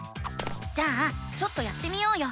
じゃあちょっとやってみようよ！